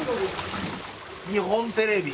日本テレビ。